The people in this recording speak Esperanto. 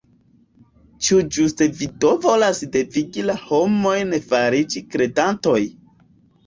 Ĉu ĝuste vi do volas devigi la homojn fariĝi kredantoj?